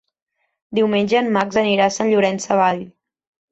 Diumenge en Max anirà a Sant Llorenç Savall.